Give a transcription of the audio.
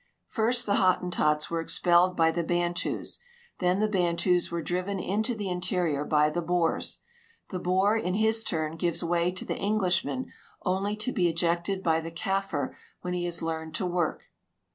First the Hottentots AAxre expelled by the Bantus ; then the Bantus AA'ere drh'en into the interior by the Boers ; the Boer in his turn giA^es AA'ay to the Englishman onl}" to be ejected by the Kaffir AA'hen he has learned to AAmrk.